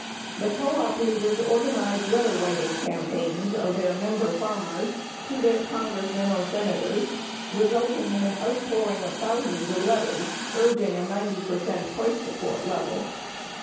The co op leaders organized letterwriting cam paigns of their member farmers to their Congressmen and Senators resulting in an outpouring of thousands of letters urging a 90 percent price support level.